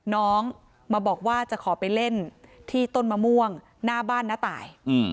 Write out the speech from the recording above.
น้องมาบอกว่าจะขอไปเล่นที่ต้นมะม่วงหน้าบ้านน้าตาย